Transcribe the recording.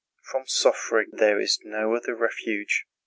from suffering there is no other refuge.